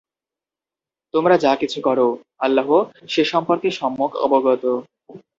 তোমরা যা কিছু কর আল্লাহ সে সম্পর্কে সম্যক অবগত।